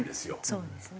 そうですね。